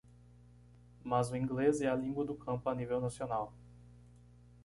Mas o inglês é a língua do campo a nível nacional.